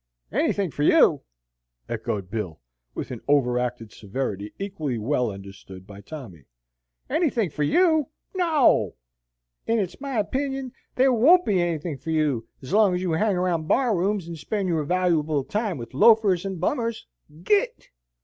"Anythin' for you!" echoed Bill, with an overacted severity equally well understood by Tommy, "anythin' for you? No! And it's my opinion there won't be anythin' for you ez long ez you hang around bar rooms and spend your valooable time with loafers and bummers. Git!"